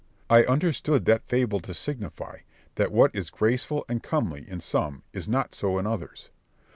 I understood that fable to signify, that what is graceful and comely in some is not so in others.